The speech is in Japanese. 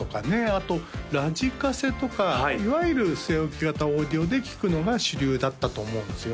あとラジカセとかいわゆる据え置き型オーディオで聴くのが主流だったと思うんですよ